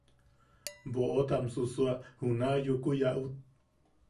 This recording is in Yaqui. Boʼot am susua juna Yuku Yaʼut.